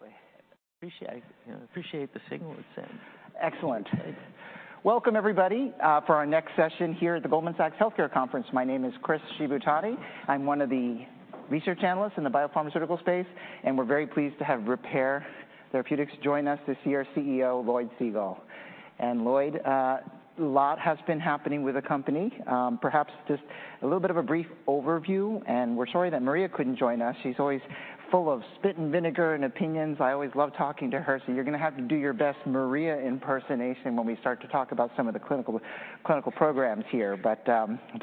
Absolutely. Appreciate the signal it sends. Excellent. Welcome, everybody, for our next session here at the Goldman Sachs Healthcare Conference. My name is Chris Shibutani. I'm one of the research analysts in the biopharmaceutical space, and we're very pleased to have Repare Therapeutics join us to see our CEO, Lloyd Segal. And Lloyd, a lot has been happening with the company. Perhaps just a little bit of a brief overview, and we're sorry that Maria couldn't join us. She's always full of spit and vinegar and opinions. I always love talking to her, so you're going to have to do your best Maria impersonation when we start to talk about some of the clinical programs here. But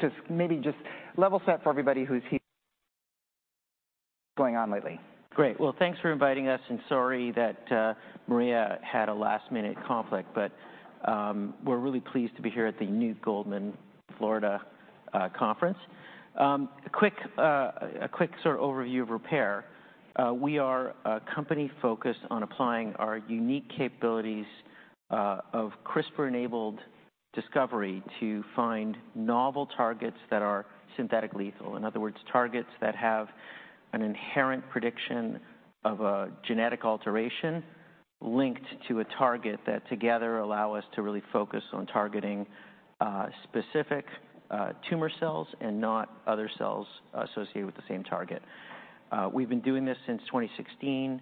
just maybe just level set for everybody who's here, what's going on lately. Great. Well, thanks for inviting us, and sorry that Maria had a last-minute conflict, but we're really pleased to be here at the Goldman Sachs, Florida, conference. A quick sort of overview of Repare. We are a company focused on applying our unique capabilities of CRISPR-enabled discovery to find novel targets that are synthetically lethal. In other words, targets that have an inherent prediction of a genetic alteration linked to a target that together allow us to really focus on targeting specific tumor cells and not other cells associated with the same target. We've been doing this since 2016.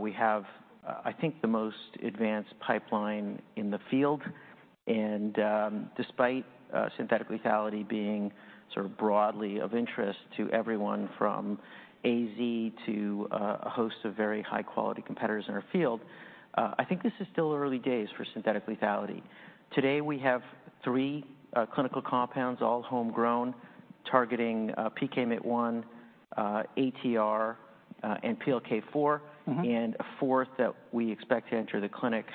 We have, I think, the most advanced pipeline in the field. And despite synthetic lethality being sort of broadly of interest to everyone from AZ to a host of very high-quality competitors in our field, I think this is still early days for synthetic lethality. Today, we have three clinical compounds, all homegrown, targeting PKMYT1, ATR, and PLK4, and a fourth that we expect to enter the clinic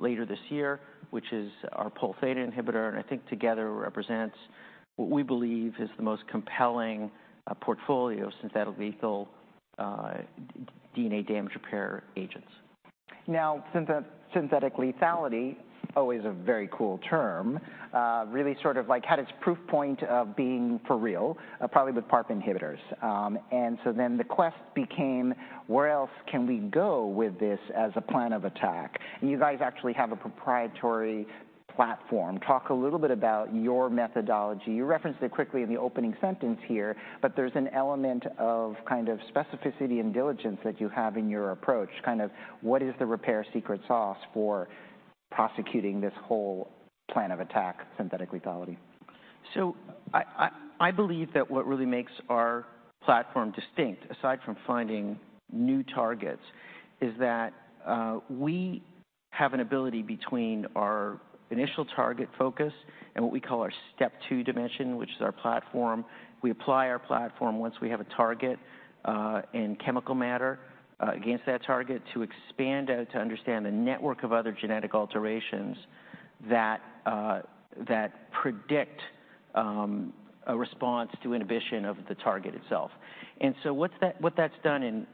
later this year, which is our Polθ inhibitor. And I think together it represents what we believe is the most compelling portfolio of synthetically lethal DNA damage repair agents. Now, synthetic lethality is always a very cool term, really sort of like had its proof point of being for real, probably with PARP inhibitors. And so then the quest became, where else can we go with this as a plan of attack? And you guys actually have a proprietary platform. Talk a little bit about your methodology. You referenced it quickly in the opening sentence here, but there's an element of kind of specificity and diligence that you have in your approach. Kind of what is the Repare secret sauce for prosecuting this whole plan of attack, synthetic lethality? So I believe that what really makes our platform distinct, aside from finding new targets, is that we have an ability between our initial target focus and what we call our STEP2 dimension, which is our platform. We apply our platform once we have a target in chemical matter against that target to expand out to understand the network of other genetic alterations that predict a response to inhibition of the target itself. And so what that's done in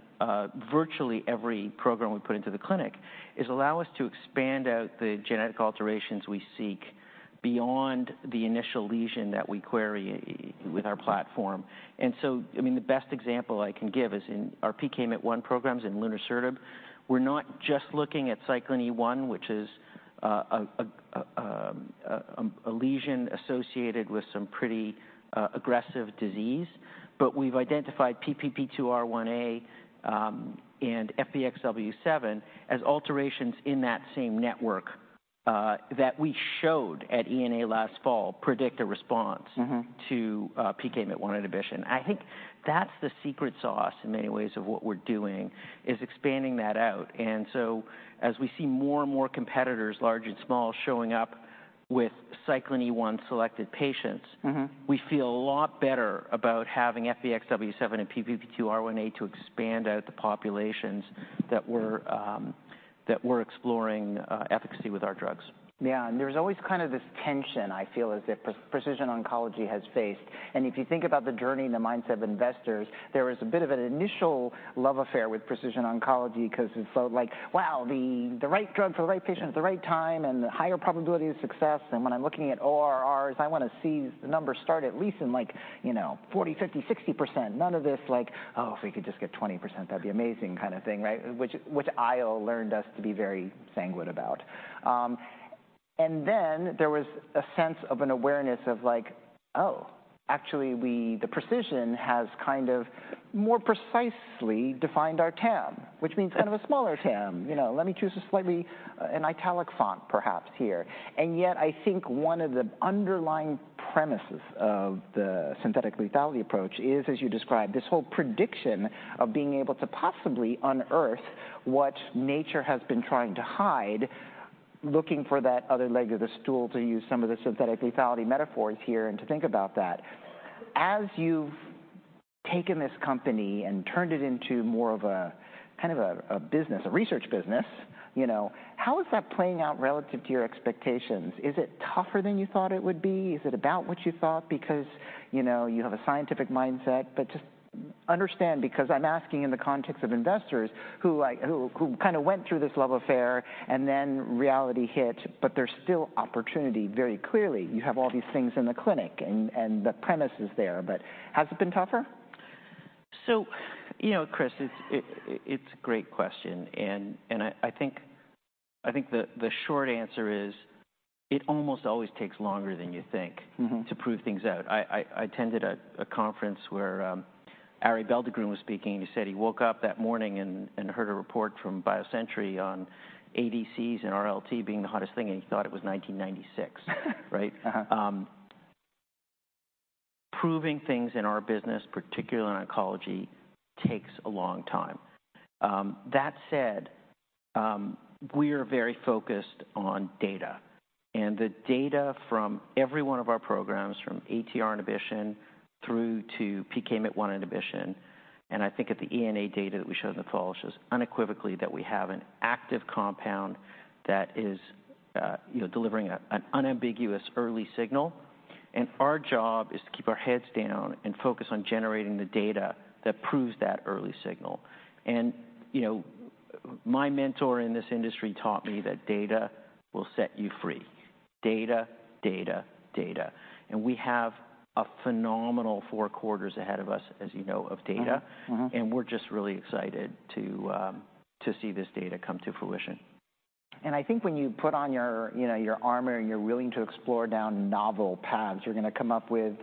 virtually every program we put into the clinic is allow us to expand out the genetic alterations we seek beyond the initial lesion that we query with our platform. And so, I mean, the best example I can give is in our PKMYT1 programs in lunresertib, we're not just looking at cyclin E1, which is a lesion associated with some pretty aggressive disease, but we've identified PPP2R1A and FBXW7 as alterations in that same network that we showed at ENA last fall predict a response to PKMYT1 inhibition. I think that's the secret sauce in many ways of what we're doing, is expanding that out. And so as we see more and more competitors, large and small, showing up with cyclin E1 selected patients, we feel a lot better about having FBXW7 and PPP2R1A to expand out the populations that we're exploring efficacy with our drugs. Yeah. There's always kind of this tension, I feel, as if precision oncology has faced. If you think about the journey and the mindset of investors, there was a bit of an initial love affair with precision oncology because it felt like, wow, the right drug for the right patient at the right time and the higher probability of success. When I'm looking at ORRs, I want to see the numbers start at least in like 40%, 50%, 60%. None of this like, oh, if we could just get 20%, that'd be amazing kind of thing, right? Which IO learned us to be very sanguine about. Then there was a sense of an awareness of like, oh, actually the precision has kind of more precisely defined our TAM, which means kind of a smaller TAM. Let me choose a slightly italic font, perhaps, here. And yet I think one of the underlying premises of the synthetic lethality approach is, as you described, this whole prediction of being able to possibly unearth what nature has been trying to hide, looking for that other leg of the stool to use some of the synthetic lethality metaphors here and to think about that. As you've taken this company and turned it into more of a kind of a business, a research business, how is that playing out relative to your expectations? Is it tougher than you thought it would be? Is it about what you thought? Because you have a scientific mindset. But just understand, because I'm asking in the context of investors who kind of went through this love affair and then reality hit, but there's still opportunity very clearly. You have all these things in the clinic and the premise is there, but has it been tougher? So, you know, Chris, it's a great question. And I think the short answer is it almost always takes longer than you think to prove things out. I attended a conference where Arie Belldegrun was speaking. He said he woke up that morning and heard a report from BioCentury on ADCs and RLT being the hottest thing, and he thought it was 1996, right? Proving things in our business, particularly in oncology, takes a long time. That said, we are very focused on data. And the data from every one of our programs, from ATR inhibition through to PKMYT1 inhibition, and I think at the ENA data that we showed in the fall shows unequivocally that we have an active compound that is delivering an unambiguous early signal. And our job is to keep our heads down and focus on generating the data that proves that early signal. My mentor in this industry taught me that data will set you free. Data, data, data. We have a phenomenal four quarters ahead of us, as you know, of data. We're just really excited to see this data come to fruition. I think when you put on your armor and you're willing to explore down novel paths, you're going to come up with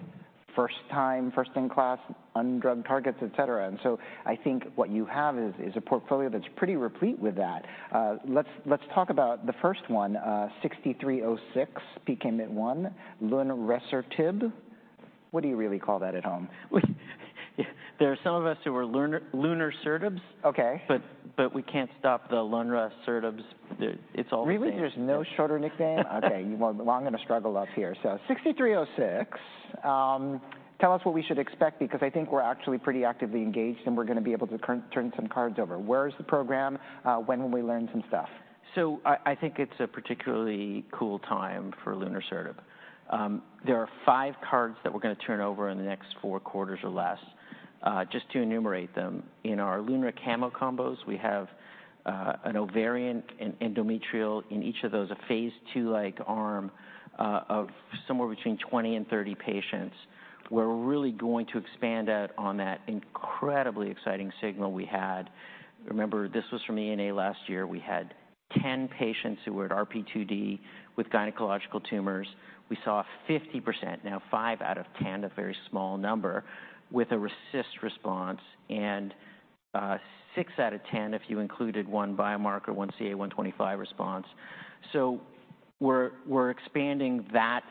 first-time, first-in-class, undrugged targets, et cetera. And so I think what you have is a portfolio that's pretty replete with that. Let's talk about the first one, RP-6306 PKMYT1, lunresertib. What do you really call that at home? There are some of us who are lunresertibs, but we can't stop the lunresertibs. It's all the same. Really? There's no shorter nickname? Okay. Well, I'm going to struggle up here. So 6306. Tell us what we should expect, because I think we're actually pretty actively engaged and we're going to be able to turn some cards over. Where is the program? When will we learn some stuff? So I think it's a particularly cool time for lunresertib. There are five cards that we're going to turn over in the next four quarters or less, just to enumerate them. In our lunresertib-camonsertib combos, we have an ovarian and endometrial. In each of those, a phase II-like arm of somewhere between 20 and 30 patients. We're really going to expand out on that incredibly exciting signal we had. Remember, this was from ENA last year. We had 10 patients who were at RP2D with gynecological tumors. We saw 50%, now five out of 10, a very small number, with a RECIST response and six out of 10, if you included one biomarker, one CA125 response. So we're expanding that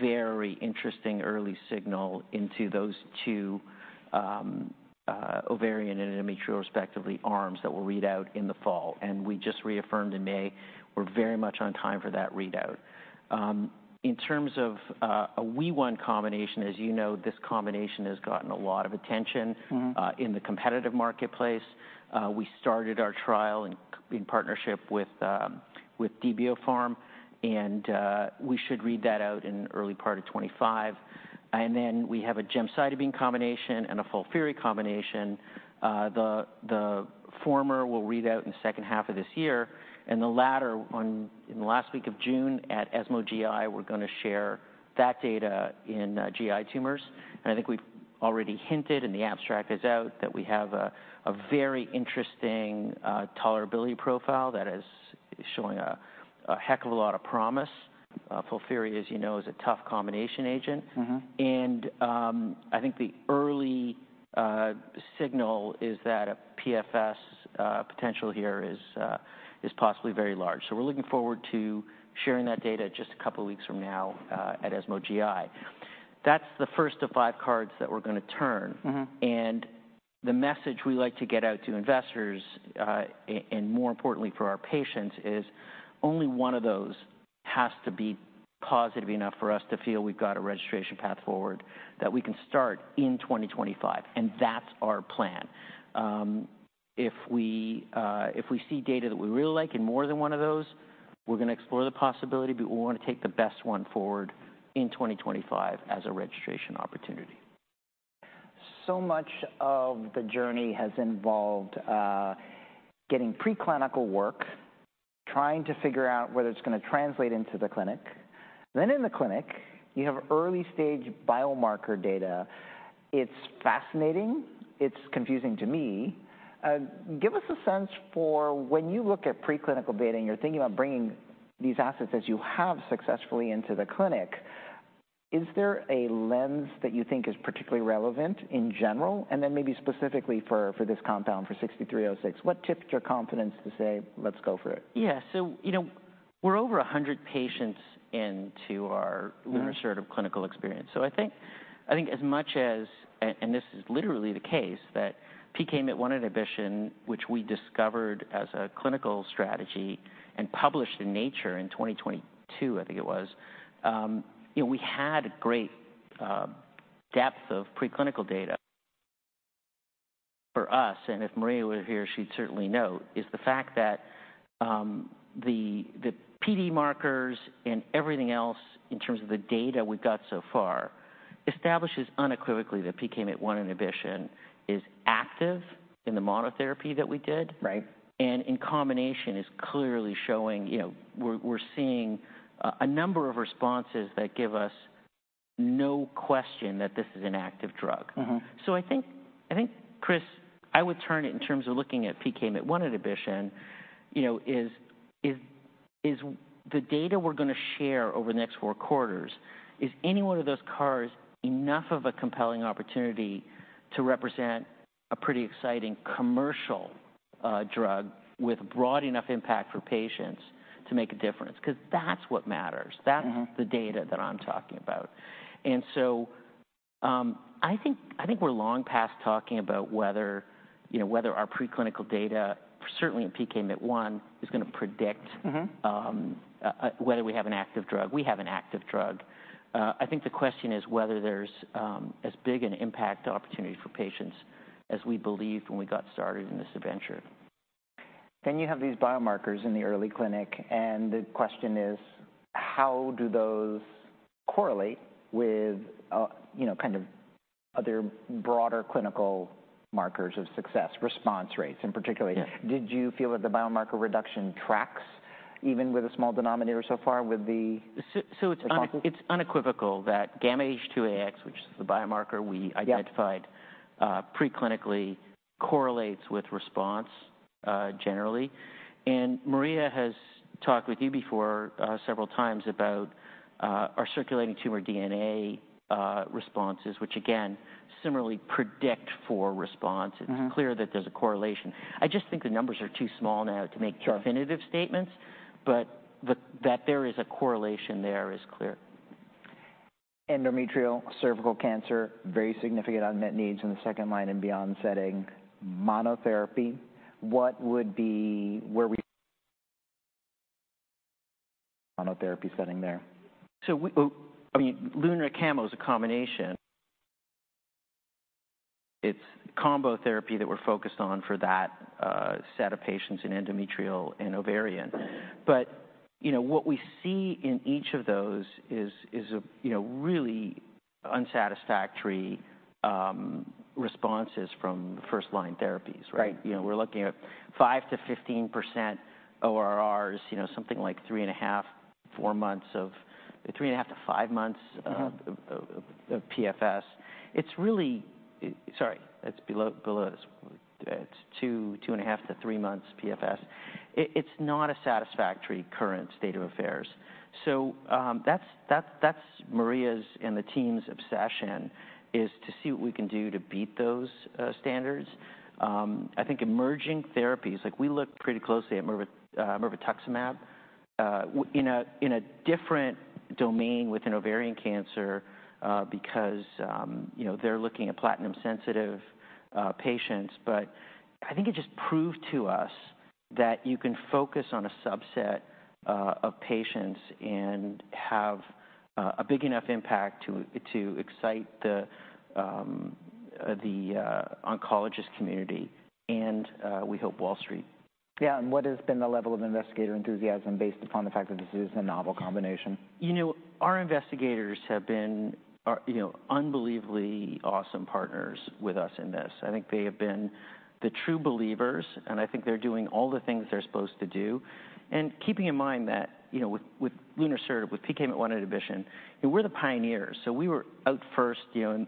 very interesting early signal into those two ovarian and endometrial, respectively, arms that will read out in the fall. We just reaffirmed in May, we're very much on time for that readout. In terms of a WEE1 combination, as you know, this combination has gotten a lot of attention in the competitive marketplace. We started our trial in partnership with Debiopharm, and we should read that out in early part of 2025. And then we have a gemcitabine combination and a FOLFIRI combination. The former will read out in the second half of this year. And the latter, in the last week of June at ESMO GI, we're going to share that data in GI tumors. And I think we've already hinted and the abstract is out that we have a very interesting tolerability profile that is showing a heck of a lot of promise. FOLFIRI, as you know, is a tough combination agent. I think the early signal is that a PFS potential here is possibly very large. We're looking forward to sharing that data just a couple of weeks from now at ESMO GI. That's the first of five cards that we're going to turn. The message we like to get out to investors, and more importantly for our patients, is only one of those has to be positive enough for us to feel we've got a registration path forward that we can start in 2025. That's our plan. If we see data that we really like in more than one of those, we're going to explore the possibility, but we want to take the best one forward in 2025 as a registration opportunity. So much of the journey has involved getting pre-clinical work, trying to figure out whether it's going to translate into the clinic. Then in the clinic, you have early-stage biomarker data. It's fascinating. It's confusing to me. Give us a sense for when you look at pre-clinical data and you're thinking about bringing these assets as you have successfully into the clinic, is there a lens that you think is particularly relevant in general? And then maybe specifically for this compound, for 6306, what tipped your confidence to say, let's go for it? Yeah. So we're over 100 patients into our lunresertib clinical experience. So I think as much as, and this is literally the case, that PKMYT1 inhibition, which we discovered as a clinical strategy and published in Nature in 2022, I think it was, we had a great depth of pre-clinical data for us. And if Maria were here, she'd certainly know, is the fact that the PD markers and everything else in terms of the data we've got so far establishes unequivocally that PKMYT1 inhibition is active in the monotherapy that we did. And in combination, is clearly showing we're seeing a number of responses that give us no question that this is an active drug. So I think, Chris, I would turn it in terms of looking at PKMYT1 inhibition, is the data we're going to share over the next four quarters, is any one of those cards enough of a compelling opportunity to represent a pretty exciting commercial drug with broad enough impact for patients to make a difference? Because that's what matters. That's the data that I'm talking about. And so I think we're long past talking about whether our pre-clinical data, certainly in PKMYT1, is going to predict whether we have an active drug. We have an active drug. I think the question is whether there's as big an impact opportunity for patients as we believed when we got started in this adventure. You have these biomarkers in the early clinic. The question is, how do those correlate with kind of other broader clinical markers of success, response rates in particular? Did you feel that the biomarker reduction tracks even with a small denominator so far with the responses? So it's unequivocal that gamma H2AX, which is the biomarker we identified pre-clinically, correlates with response generally. And Maria has talked with you before several times about our circulating tumor DNA responses, which again, similarly predict for response. It's clear that there's a correlation. I just think the numbers are too small now to make definitive statements, but that there is a correlation there is clear. Endometrial, cervical cancer, very significant unmet needs in the second-line and beyond setting. Monotherapy, where is monotherapy setting there? So I mean, lunresertib combo is a combination. It's combo therapy that we're focused on for that set of patients in endometrial and ovarian. But what we see in each of those is really unsatisfactory responses from first-line therapies, right? We're looking at 5%-15% ORRs, something like three and a half, four months of 3.5-5 months of PFS. Sorry, that's below this. It's 2.5-3 months PFS. It's not a satisfactory current state of affairs. So that's Maria's and the team's obsession, is to see what we can do to beat those standards. I think emerging therapies, like we look pretty closely at mirvetuximab in a diffrent domain with an ovarian cancer beacuse they are looking at platinum sensitive patients. I think it just proved to us that you can focus on a subset of patients and have a big enough impact to excite the oncologist community and we hope Wall Street. Yeah. And what has been the level of investigator enthusiasm based upon the fact that this is a novel combination? You know, our investigators have been unbelievably awesome partners with us in this. I think they have been the true believers, and I think they're doing all the things they're supposed to do. And keeping in mind that with lunresertib, with PKMYT1 inhibition, we're the pioneers. So we were out first. And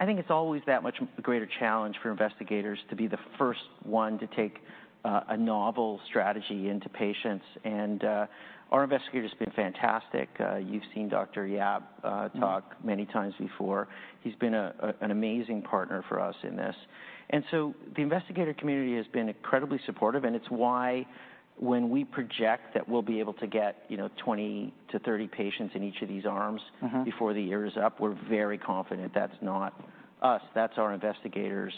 I think it's always that much greater challenge for investigators to be the first one to take a novel strategy into patients. And our investigator has been fantastic. You've seen Dr. Yap talk many times before. He's been an amazing partner for us in this. And so the investigator community has been incredibly supportive. And it's why when we project that we'll be able to get 20-30 patients in each of these arms before the year is up, we're very confident that's not us. That's our investigators,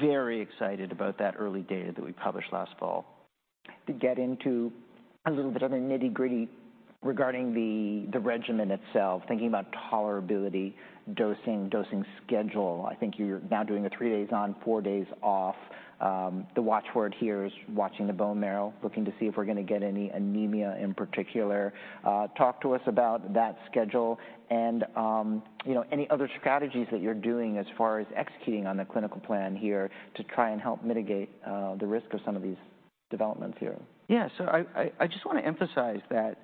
very excited about that early data that we published last fall. To get into a little bit of the nitty-gritty regarding the regimen itself, thinking about tolerability, dosing, dosing schedule. I think you're now doing a three days on, four days off. The watchword here is watching the bone marrow, looking to see if we're going to get any anemia in particular. Talk to us about that schedule and any other strategies that you're doing as far as executing on the clinical plan here to try and help mitigate the risk of some of these developments here. Yeah. So I just want to emphasize that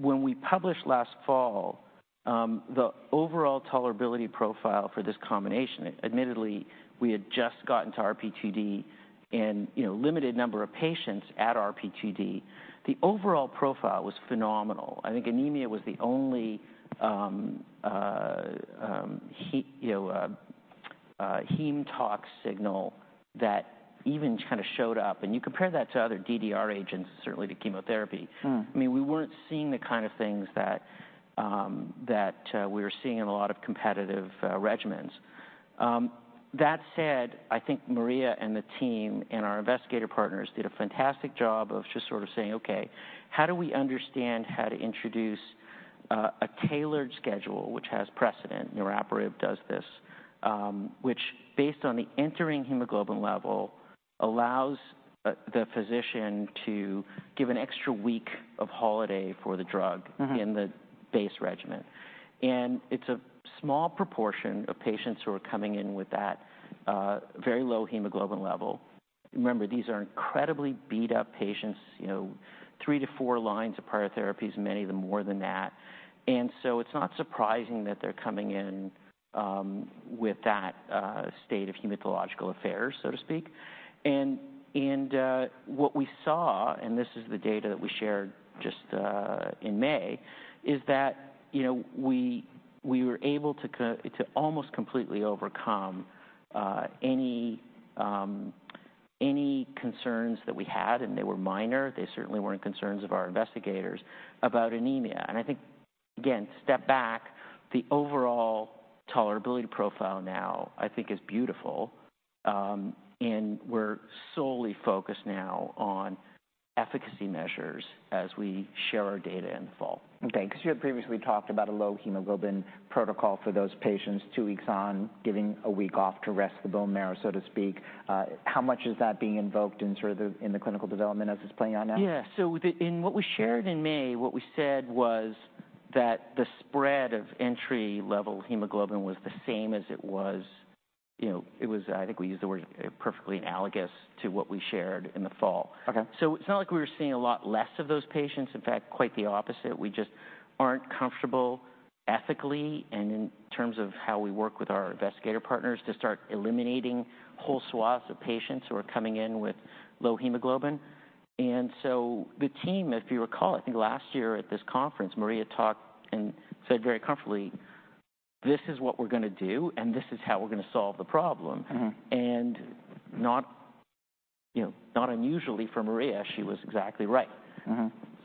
when we published last fall, the overall tolerability profile for this combination, admittedly, we had just gotten to RP2D and limited number of patients at RP2D, the overall profile was phenomenal. I think anemia was the only heme tox signal that even kind of showed up. And you compare that to other DDR agents, certainly to chemotherapy. I mean, we weren't seeing the kind of things that we were seeing in a lot of competitive regimens. That said, I think Maria and the team and our investigator partners did a fantastic job of just sort of saying, okay, how do we understand how to introduce a tailored schedule, which has precedent? Niraparib does this, which based on the entering hemoglobin level allows the physician to give an extra week of holiday for the drug in the base regimen. It's a small proportion of patients who are coming in with that very low hemoglobin level. Remember, these are incredibly beat-up patients, 3-4 lines of prior therapies, many of them more than that. And so it's not surprising that they're coming in with that state of hematological affairs, so to speak. And what we saw, and this is the data that we shared just in May, is that we were able to almost completely overcome any concerns that we had, and they were minor. They certainly weren't concerns of our investigators about anemia. And I think, again, step back, the overall tolerability profile now, I think, is beautiful. And we're solely focused now on efficacy measures as we share our data in the fall. Okay. Because you had previously talked about a low hemoglobin protocol for those patients, two weeks on, giving a week off to rest the bone marrow, so to speak. How much is that being invoked in sort of the clinical development as it's playing out now? Yeah. So in what we shared in May, what we said was that the spread of entry-level hemoglobin was the same as it was. I think we used the word perfectly analogous to what we shared in the fall. So it's not like we were seeing a lot less of those patients. In fact, quite the opposite. We just aren't comfortable ethically and in terms of how we work with our investigator partners to start eliminating whole swaths of patients who are coming in with low hemoglobin. And so the team, if you recall, I think last year at this conference, Maria talked and said very comfortably, this is what we're going to do, and this is how we're going to solve the problem. And not unusually for Maria, she was exactly right.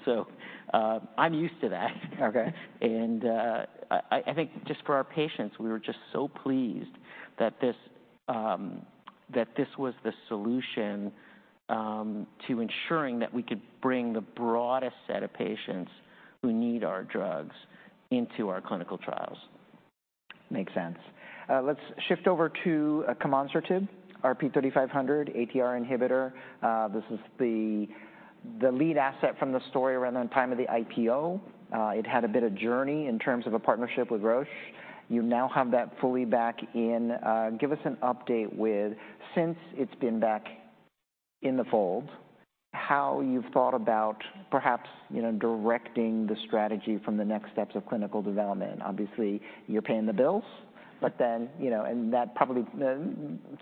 So I'm used to that. I think just for our patients, we were just so pleased that this was the solution to ensuring that we could bring the broadest set of patients who need our drugs into our clinical trials. Makes sense. Let's shift over to camonsertib, RP-3500, ATR inhibitor. This is the lead asset from the story around the time of the IPO. It had a bit of journey in terms of a partnership with Roche. You now have that fully back in. Give us an update with, since it's been back in the fold, how you've thought about perhaps directing the strategy from the next steps of clinical development. Obviously, you're paying the bills, but then that probably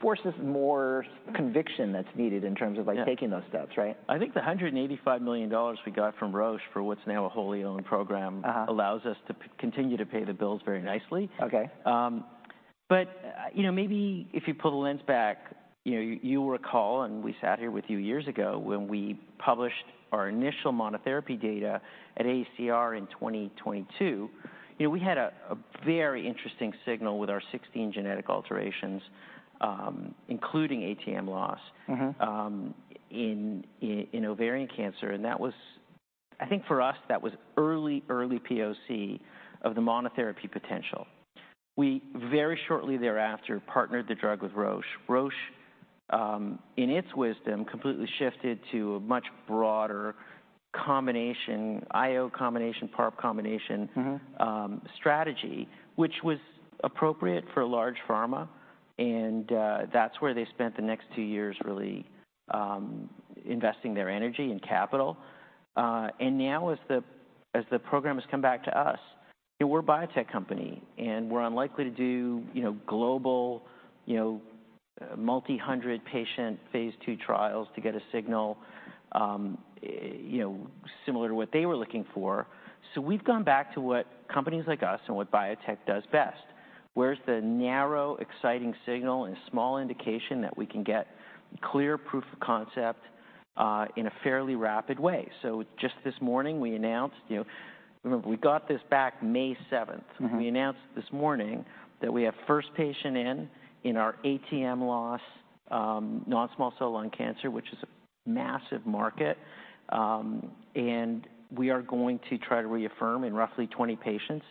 forces more conviction that's needed in terms of taking those steps, right? I think the $185 million we got from Roche for what's now a wholly owned program allows us to continue to pay the bills very nicely. But maybe if you pull the lens back, you'll recall, and we sat here with you years ago when we published our initial monotherapy data at AACR in 2022, we had a very interesting signal with our 16 genetic alterations, including ATM loss in ovarian cancer. And I think for us, that was early, early POC of the monotherapy potential. We very shortly thereafter partnered the drug with Roche. Roche, in its wisdom, completely shifted to a much broader combination, IO combination, PARP combination strategy, which was appropriate for large pharma. And that's where they spent the next two years really investing their energy and capital. Now as the program has come back to us, we're a biotech company and we're unlikely to do global multi-hundred patient phase II trials to get a signal similar to what they were looking for. So we've gone back to what companies like us and what biotech does best. Where's the narrow, exciting signal and small indication that we can get clear proof of concept in a fairly rapid way? So just this morning, we announced, remember, we got this back May 7th. We announced this morning that we have first patient in our ATM loss, non-small cell lung cancer, which is a massive market. And we are going to try to reaffirm in roughly 20 patients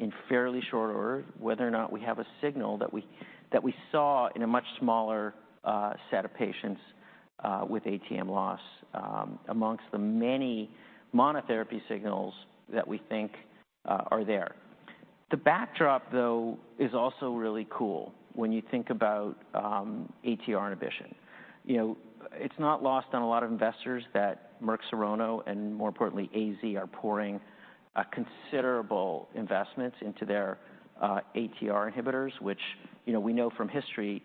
in fairly short order whether or not we have a signal that we saw in a much smaller set of patients with ATM loss amongst the many monotherapy signals that we think are there. The backdrop, though, is also really cool when you think about ATR inhibition. It's not lost on a lot of investors that Merck Serono and more importantly, AZ are pouring considerable investments into their ATR inhibitors, which we know from history,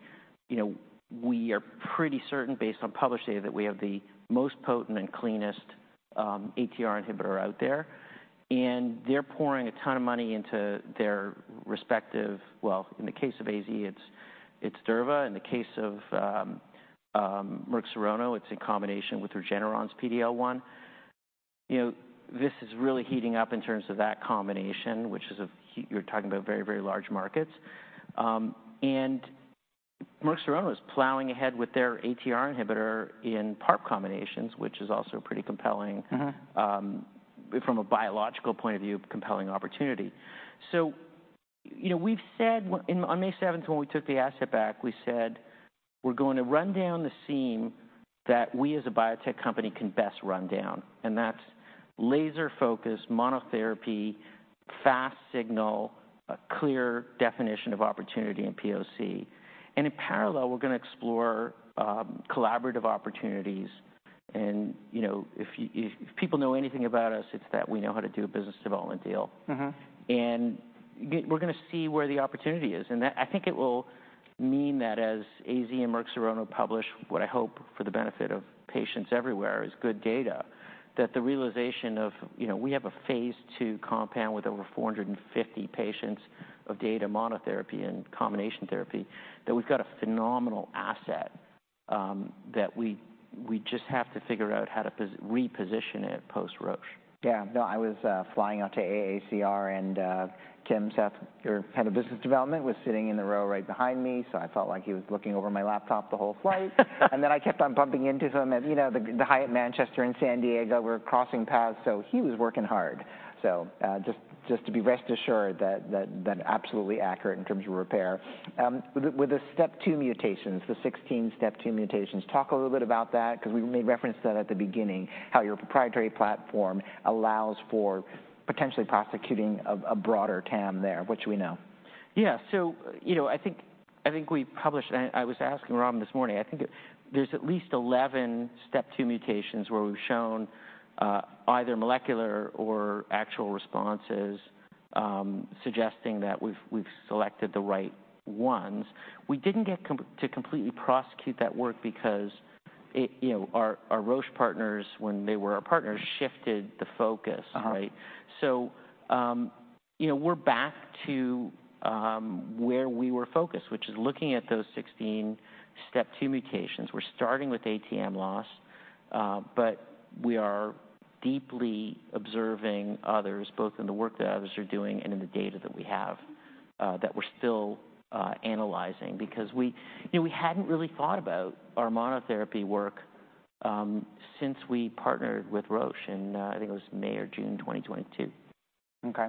we are pretty certain based on published data that we have the most potent and cleanest ATR inhibitor out there. And they're pouring a ton of money into their respective, well, in the case of AZ, it's Durva. In the case of Merck Serono, it's in combination with Regeneron's PD-L1. This is really heating up in terms of that combination, which is a, you're talking about very, very large markets. And Merck Serono is plowing ahead with their ATR inhibitor in PARP combinations, which is also a pretty compelling, from a biological point of view, compelling opportunity. So we've said on May 7th, when we took the asset back, we said we're going to run down the seam that we as a biotech company can best run down. And that's laser-focused monotherapy, fast signal, a clear definition of opportunity and POC. And in parallel, we're going to explore collaborative opportunities. And if people know anything about us, it's that we know how to do a business development deal. And we're going to see where the opportunity is. I think it will mean that as AZ and Merck Serono publish what I hope for the benefit of patients everywhere is good data, that the realization of we have a phase II compound with over 450 patients of data monotherapy and combination therapy, that we've got a phenomenal asset that we just have to figure out how to reposition it post-Roche. Yeah. No, I was flying out to AACR and Kim Seth, your head of business development, was sitting in the row right behind me. So I felt like he was looking over my laptop the whole flight. And then I kept on bumping into him at the Hyatt Manchester in San Diego. We're crossing paths. So he was working hard. So just to be rest assured that absolutely accurate in terms of Repare. With the STEP2 mutations, the 16 STEP2 mutations, talk a little bit about that, because we made reference to that at the beginning, how your proprietary platform allows for potentially prosecuting a broader TAM there. What should we know? Yeah. So I think we published, and I was asking Robin this morning, I think there's at least 11 STEP2 mutations where we've shown either molecular or actual responses suggesting that we've selected the right ones. We didn't get to completely prosecute that work because our Roche partners, when they were our partners, shifted the focus, right? So we're back to where we were focused, which is looking at those 16 STEP2 mutations. We're starting with ATM loss, but we are deeply observing others, both in the work that others are doing and in the data that we have that we're still analyzing because we hadn't really thought about our monotherapy work since we partnered with Roche in, I think it was May or June 2022. Okay.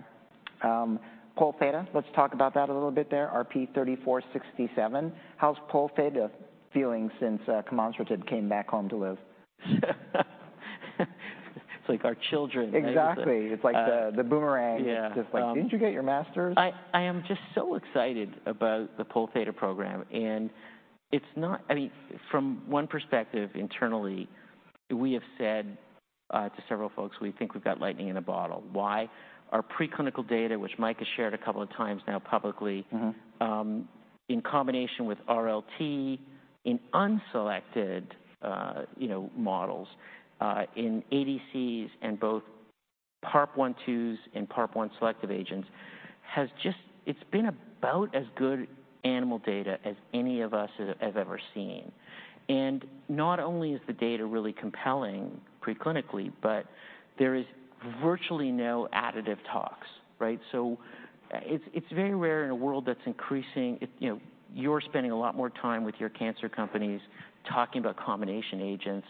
Polθ, let's talk about that a little bit there, RP-3467. How's Polθ feeling since camonsertib came back home to live? It's like our children. Exactly. It's like the boomerang. It's just like, didn't you get your master's? I am just so excited about the Polθ program. And I mean, from one perspective internally, we have said to several folks, we think we've got lightning in a bottle. Why? Our preclinical data, which Mike has shared a couple of times now publicly, in combination with RLT in unselected models, in ADCs and both PARP1-2s and PARP1 selective agents, has just, it's been about as good animal data as any of us have ever seen. And not only is the data really compelling preclinically, but there is virtually no additive tox, right? So it's very rare in a world that's increasing. You're spending a lot more time with your cancer companies talking about combination agents.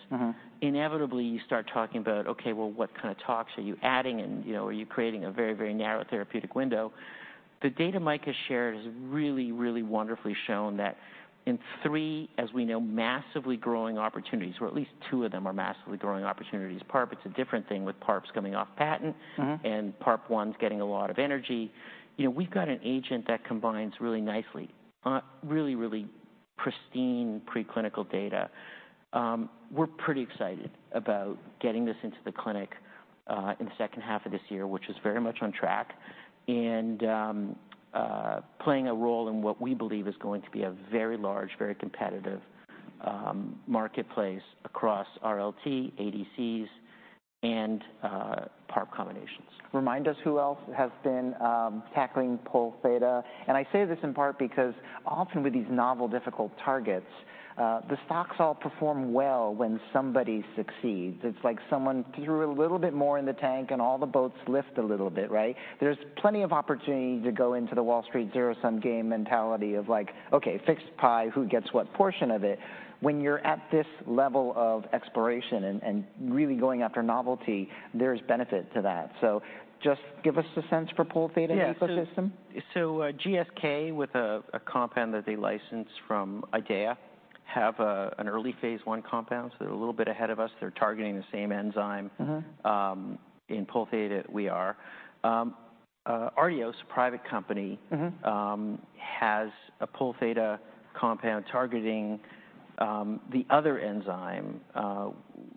Inevitably, you start talking about, okay, well, what kind of tox are you adding and are you creating a very, very narrow therapeutic window? The data Mike has shared has really, really wonderfully shown that in three, as we know, massively growing opportunities, or at least two of them are massively growing opportunities. PARP is a different thing with PARPs coming off patent and PARP1s getting a lot of energy. We've got an agent that combines really nicely, really, really pristine preclinical data. We're pretty excited about getting this into the clinic in the second half of this year, which is very much on track and playing a role in what we believe is going to be a very large, very competitive marketplace across RLT, ADCs, and PARP combinations. Remind us who else has been tackling Polθ. And I say this in part because often with these novel difficult targets, the stocks all perform well when somebody succeeds. It's like someone threw a little bit more in the tank and all the boats lift a little bit, right? There's plenty of opportunity to go into the Wall Street zero-sum game mentality of like, okay, fixed pie, who gets what portion of it? When you're at this level of exploration and really going after novelty, there's benefit to that. So just give us a sense for Polθ's ecosystem. Yeah. So GSK with a compound that they licensed from IDEAYA have an early phase I compound. So they're a little bit ahead of us. They're targeting the same enzyme. In Polθ, we are. Artios, a private company, has a Polθ compound targeting the other enzyme,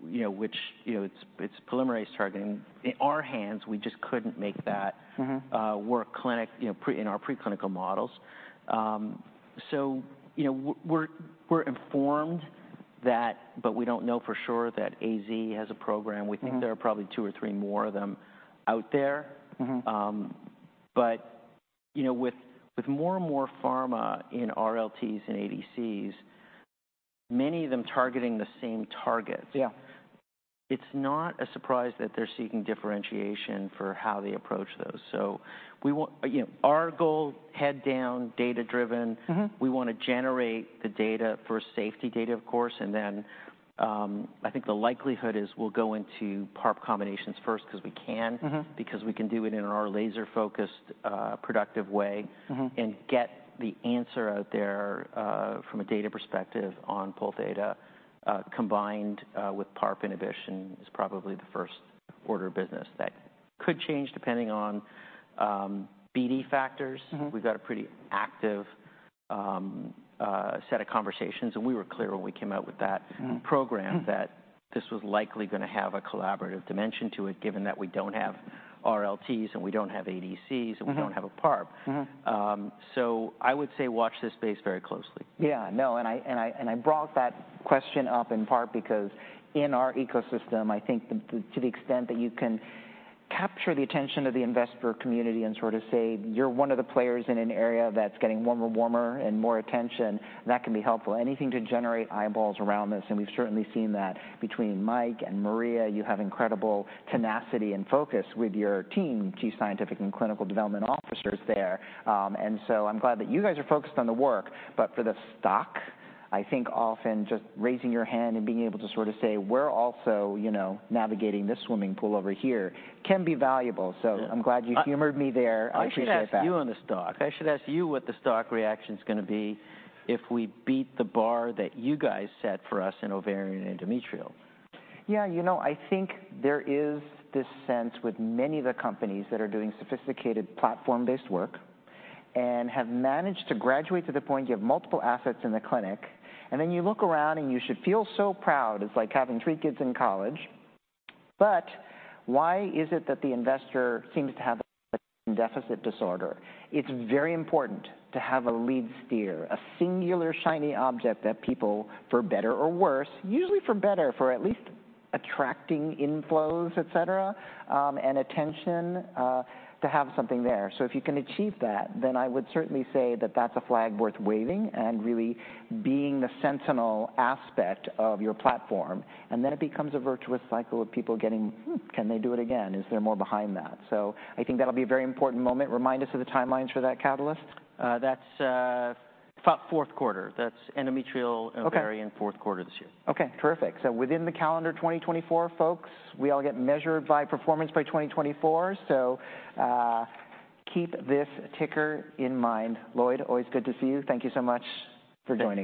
which it's polymerase targeting. In our hands, we just couldn't make that work in our preclinical models. So we're informed that, but we don't know for sure that AZ has a program. We think there are probably two or three more of them out there. But with more and more pharma in RLTs and ADCs, many of them targeting the same targets, it's not a surprise that they're seeking differentiation for how they approach those. So our goal, head down, data-driven, we want to generate the data for safety data, of course. And then I think the likelihood is we'll go into PARP combinations first because we can, because we can do it in our laser-focused productive way and get the answer out there from a data perspective on Polθ combined with PARP inhibition is probably the first order of business. That could change depending on BD factors. We've got a pretty active set of conversations, and we were clear when we came out with that program that this was likely going to have a collaborative dimension to it, given that we don't have RLTs and we don't have ADCs and we don't have a PARP. So I would say watch this space very closely. Yeah. No, and I brought that question up in part because in our ecosystem, I think to the extent that you can capture the attention of the investor community and sort of say you're one of the players in an area that's getting warmer and warmer and more attention, that can be helpful. Anything to generate eyeballs around this. And we've certainly seen that between Mike and Maria. You have incredible tenacity and focus with your team, chief scientific and clinical development officers there. And so I'm glad that you guys are focused on the work, but for the stock, I think often just raising your hand and being able to sort of say, we're also navigating this swimming pool over here can be valuable. So I'm glad you humored me there. I appreciate that. I should ask you on the stock. I should ask you what the stock reaction is going to be if we beat the bar that you guys set for us in ovarian endometrial? Yeah. You know, I think there is this sense with many of the companies that are doing sophisticated platform-based work and have managed to graduate to the point you have multiple assets in the clinic. And then you look around and you should feel so proud. It's like having three kids in college. But why is it that the investor seems to have a deficit disorder? It's very important to have a lead steer, a singular shiny object that people, for better or worse, usually for better, for at least attracting inflows, et cetera, and attention to have something there. So if you can achieve that, then I would certainly say that that's a flag worth waving and really being the sentinel aspect of your platform. And then it becomes a virtuous cycle of people getting, can they do it again? Is there more behind that? So I think that'll be a very important moment. Remind us of the timelines for that catalyst. That's fourth quarter. That's endometrial ovarian fourth quarter this year. Okay. Terrific. So within the calendar 2024, folks, we all get measured by performance by 2024. So keep this ticker in mind. Lloyd, always good to see you. Thank you so much for joining.